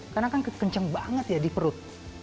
karena kan kenceng banget ya di perut